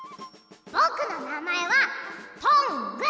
ぼくのなまえは「トング」。